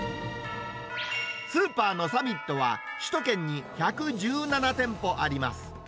スーパーのサミットは、首都圏に１１７店舗あります。